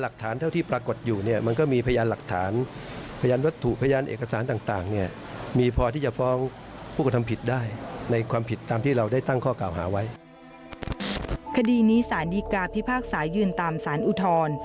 คดีนี้สารดีกาพิพากษายืนตามสารอุทธรณ์